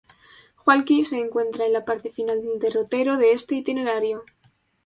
Hualqui se encuentra en la parte final del derrotero de este itinerario.